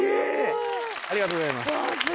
ありがとうございます。